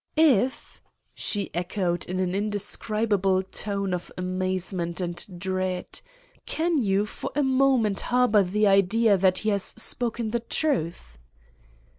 "If?" she echoed in an indescribable tone of amazement and dread. "Can you for a moment harbor the idea that he has spoken the truth?"